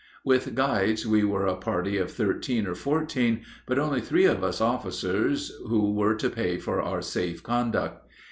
With guides we were a party of thirteen or fourteen, but only three of us officers who were to pay for our safe conduct.